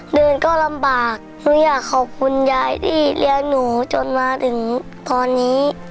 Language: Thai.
เดินก็ลำบากหนูอยากขอบคุณยายที่เลี้ยงหนูจนมาถึงตอนนี้